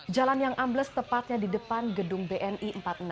jalan yang ambles tepatnya di depan gedung bni empat puluh enam